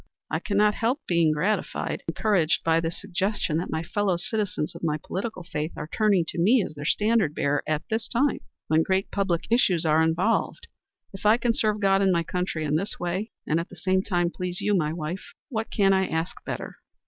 I cannot help being gratified, encouraged by the suggestion that my fellow citizens of my political faith are turning to me as their standard bearer at this time when great public issues are involved. If I can serve God and my country in this way, and at the same time please you, my wife, what can I ask better?"